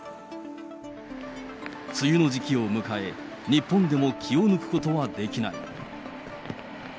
梅雨の時期を迎え、日本でも気を抜くことはできない。